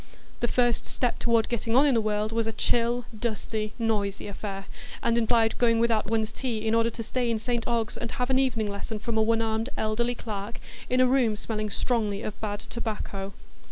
The first step toward getting on in the world was a chill, dusty, noisy affair, and implied going without one's tea in order to stay in St Ogg's and have an evening lesson from a one armed elderly clerk, in a room smelling strongly of bad tobacco.